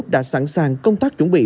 đã sẵn sàng công tác chuẩn bị